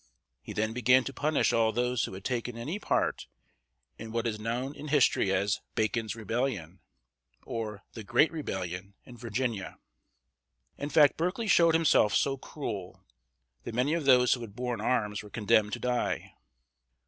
He then began to punish all those who had taken any part in what is known in history as "Bacon's Rebellion," or the "Great Rebellion" in Virginia. In fact, Berkeley showed himself so cruel that many of those who had borne arms were condemned to die.